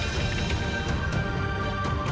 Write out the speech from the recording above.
tahlilan itu biasa